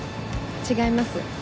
違います。